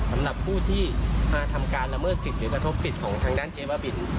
สำหรับผู้ที่มาทำการละเมิดสิทธิหรือกระทบสิทธิ์ของทางด้านเจ๊บ้าบิน